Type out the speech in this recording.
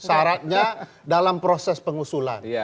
sarannya dalam proses pengusulan